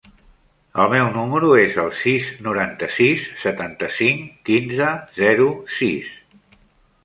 El meu número es el sis, noranta-sis, setanta-cinc, quinze, zero, sis.